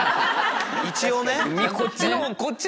一応ね。